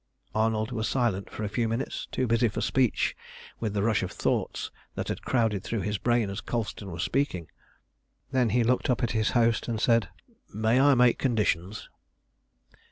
Arnold was silent for a few minutes, too busy for speech with the rush of thoughts that had crowded through his brain as Colston was speaking. Then he looked up at his host and said "May I make conditions?"